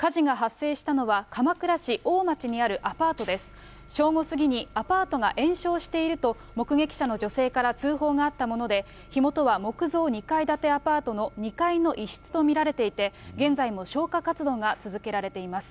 正午過ぎにアパートが延焼していると、目撃者の女性から通報があったもので、火元は木造２階建てアパートの２階の一室と見られていて、現在も消火活動が続けられています。